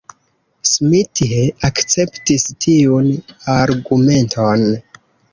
Smith akceptis tiun argumenton.